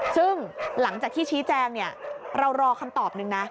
ซึ่งหลังจากที่ชี้แจงเนี่ยเรารอคำตอบนึงนะ